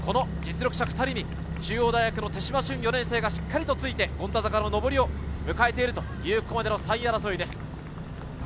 実力者２人に中央大学・手島駿４年生がしっかりついて権太坂の上りを迎えているという、ここまでの３位争いです。